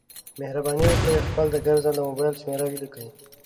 مهرباني وکړئ خپل د ګرځنده مبایل شمېره ولیکئ